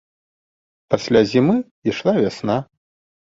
Пасля зімы ішла вясна.